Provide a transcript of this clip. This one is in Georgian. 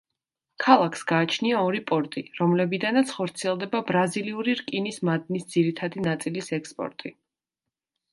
ქალაქს გააჩნია ორი პორტი, რომლებიდანაც ხორციელდება ბრაზილიური რკინის მადნის ძირითადი ნაწილის ექსპორტი.